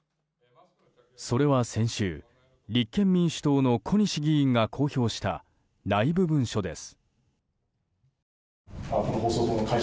それは先週立憲民主党の小西議員が公表した内部文書です。